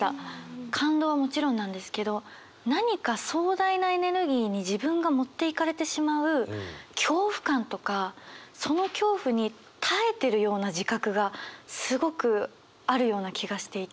感動はもちろんなんですけど何か壮大なエネルギーに自分が持っていかれてしまう恐怖感とかその恐怖に耐えてるような自覚がすごくあるような気がしていて。